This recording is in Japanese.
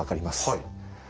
はい。